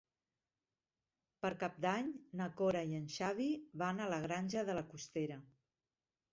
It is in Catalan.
Per Cap d'Any na Cora i en Xavi van a la Granja de la Costera.